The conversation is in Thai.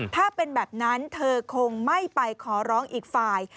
ถ้าเป็นแบบนั้นเธอคงไม่ไปขอร้องอีกฝ่าย